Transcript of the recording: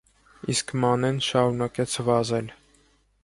Իսկ Մանեն շարունակեց վազել: